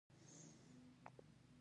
ټولنیز وضعیت د مریتوب له منځه لاړ.